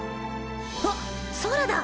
あっソラだ！